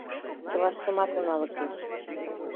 Чылаштымат уналыкеш